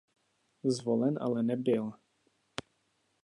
Zvolen ale nebyl.